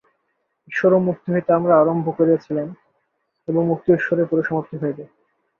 ঈশ্বর ও মুক্তি হইতে আমরা আরম্ভ করিয়াছিলাম, এবং মুক্তি ও ঈশ্বরেই পরিসমাপ্তি হইবে।